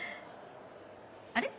あれ？